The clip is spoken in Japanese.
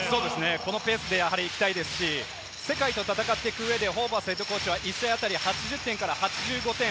このペースでいきたいですし、世界と戦っていく上でホーバスＨＣは１試合あたり８０点から８５点。